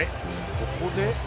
ここで？